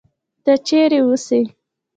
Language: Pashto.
ته چېرې اوسې؟